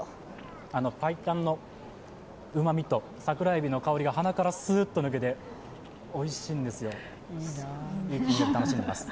白湯のうまみと桜海老の香りが鼻からすーっと抜けて、おいしいんですよ、楽しんでいます。